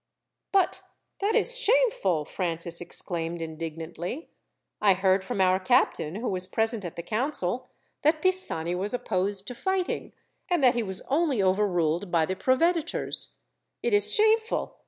"But that is shameful," Francis exclaimed indignantly. "I heard from our captain, who was present at the council, that Pisani was opposed to fighting, and that he was only overruled by the proveditors. It is shameful.